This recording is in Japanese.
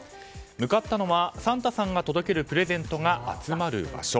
向かったのはサンタさんが届けるプレゼントが集まる場所。